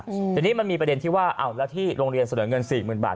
อืมทีนี้มันมีประเด็นที่ว่าอ้าวแล้วที่โรงเรียนเสนอเงินสี่หมื่นบาท